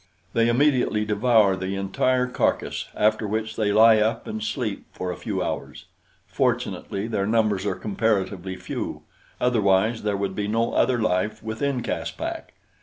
They immediately devour the entire carcass, after which they lie up and sleep for a few hours. Fortunately their numbers are comparatively few; otherwise there would be no other life within Caspak.